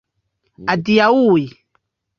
Adiaŭi?